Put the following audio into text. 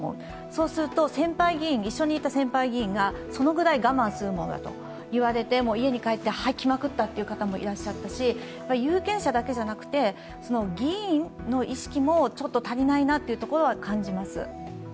そうすると、一緒にいた先輩議員にそのぐらい我慢するものだと言われて家に帰って吐きまくったという方もいらっしゃったし、有権者だけじゃなくて、議員の意識もちょっと足りないなと感じるところがあります。